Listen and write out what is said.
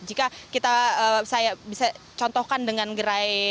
jika kita saya bisa contohkan dengan gerai tani okean